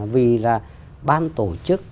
vì là ban tổ chức